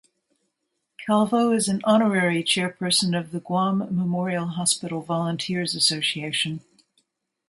Calvo is an honorary chairperson of the Guam Memorial Hospital Volunteers Association.